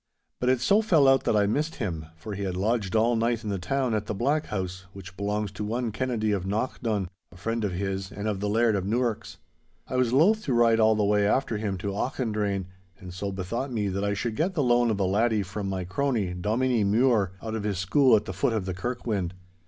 But it so fell out that I missed him, for he had lodged all night in the town at the Black House, which belongs to one Kennedy of Knockdone, a friend of his and of the Laird of Newark's. I was loath to ride all the way after him to Auchendrayne, and so bethought me that I should get the loan of a laddie from my crony, Dominie Mure, out of his school at the foot of the Kirkwynd.